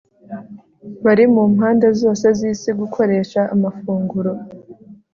bari mu mpande zose zisi gukoresha amafunguro